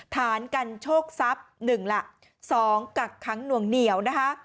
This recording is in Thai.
ฐานกันโชคทรัพย์๑ล่ะ๒กักขังหน่วงเหนียวนะคะ